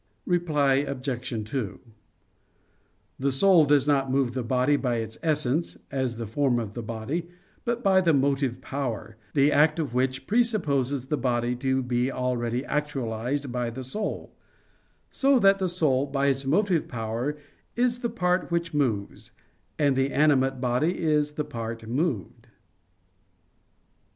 Reply Obj. 2: The soul does not move the body by its essence, as the form of the body, but by the motive power, the act of which presupposes the body to be already actualized by the soul: so that the soul by its motive power is the part which moves; and the animate body is the part moved.